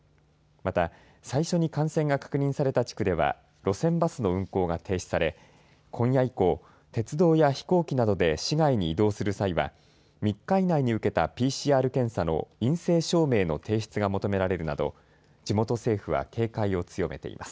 また最初に感染が確認された地区では路線バスの運行が停止され今夜以降、鉄道や飛行機などで市外に移動する際は３日以内に受けたＰＣＲ検査の陰性証明の提出が求められるなど地元政府は警戒を強めています。